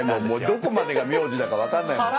もうどこまでが名字だか分かんない。